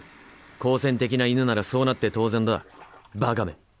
好戦的な犬ならそうなって当然だバカめ。